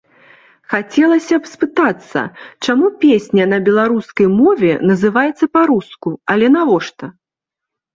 Хацелася б спытацца чаму песня на беларускай мове называецца па-руску, але навошта!